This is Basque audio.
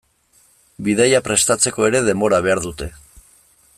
Bidaia prestatzeko ere denbora behar dute.